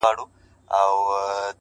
• نو په سندرو کي به تا وينمه؛